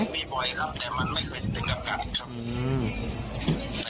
มันมีเป็นปลอดภัยครับแต่ไม่เคยชึ้งซึ่งกัน